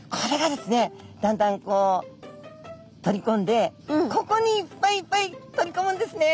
だんだんこう取りこんでここにいっぱいいっぱい取りこむんですね。